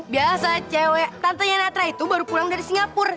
biasa cewek tantanya natra itu baru pulang dari singapur